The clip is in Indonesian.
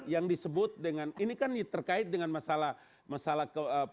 yang disebut dengan ini kan terkait dengan masalah